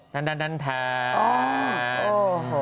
ดันแทน